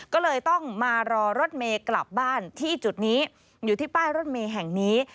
ก็เลยต้องมารอรถเมย์กลับบ้านที่จุดนี้อยู่ที่ป้ายรถเมย์แห่งนี้